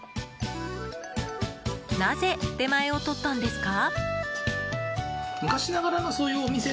なぜ出前をとったんですか？